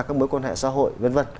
các mối quan hệ xã hội